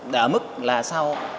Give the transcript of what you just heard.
đã mức là sau